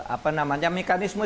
apa namanya mekanisme